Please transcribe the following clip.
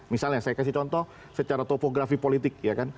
misalnya saya kasih contoh secara topografi politik